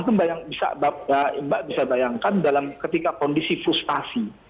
mbak bisa bayangkan dalam ketika kondisi frustasi